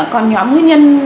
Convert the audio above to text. còn nhóm nguyên nhân